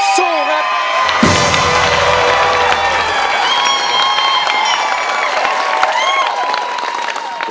สู้ครับ